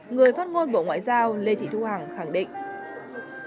người phát ngôn bộ ngoại giao lê thị thu hằng khẳng định